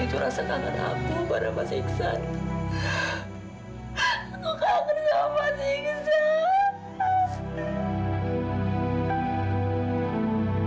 itu rasa kangen aku pada masih ke sana kau kaget sama sih